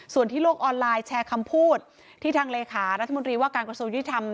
ส่วนที่โลกออนไลน์แชร์คำพูดที่ทางเลขารัฐมนตรีว่าการกระทรวงยุติธรรม